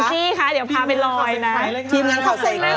ทีมงานข้าวเส้งนะคะ